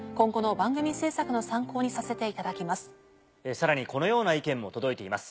さらにこのような意見も届いています。